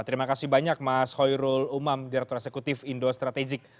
terima kasih banyak mas hoirul umam direktur eksekutif indo strategik